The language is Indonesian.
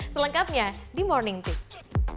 selengkapnya di morning tips